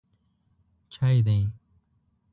_چای دی؟